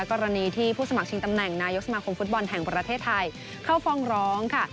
กรณีที่ผู้สมัครชิงตำแหน่งนายกสมาคมฟุตบอลแห่งประเทศไทยเข้าฟองร้องค่ะ